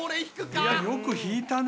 いやよく引いたね。